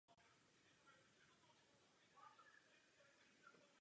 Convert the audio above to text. Jednalo se o největší tragédii během bombardování Paříže za první světové války.